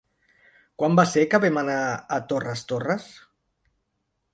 Quan va ser que vam anar a Torres Torres?